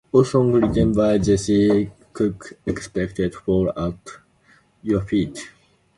All songs written by Jesse Cook-except Fall at your Feet.